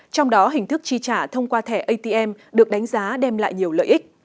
trong đó hình thức chi trả thông qua thẻ atm được đánh giá đem lại nhiều lợi ích